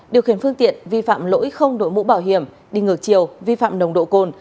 điều khiển phương tiện vi phạm lỗi không đội mũ bảo hiểm đi ngược chiều vi phạm nồng độ cồn